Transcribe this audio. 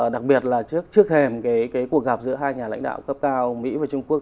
đặc biệt là trước thềm cái cuộc gặp giữa hai nhà lãnh đạo cấp cao mỹ và trung quốc